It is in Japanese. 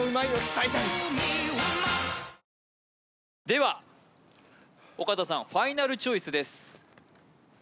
では尾形さんファイナルチョイスです